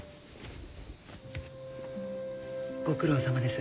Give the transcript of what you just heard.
ご苦労さまです。